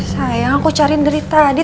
sayang aku carin dari tadi